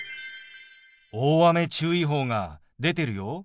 大雨注意報が出てるよ。